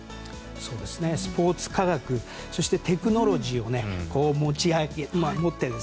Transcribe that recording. スポーツ科学そしてテクノロジーを持って。